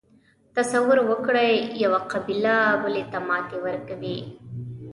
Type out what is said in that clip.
تصور وکړئ یوه قبیله بلې ته ماتې ورکوي.